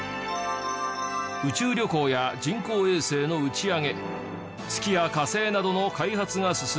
宇宙旅行や人工衛星の打ち上げ月や火星などの開発が進み。